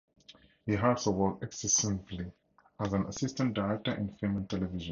He also worked extensively as an assistant director in film and television.